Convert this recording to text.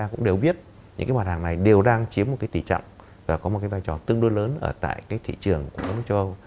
chúng ta cũng đều biết những cái mặt hàng này đều đang chiếm một cái tỷ trọng và có một cái vai trò tương đối lớn ở tại cái thị trường của hà nội châu âu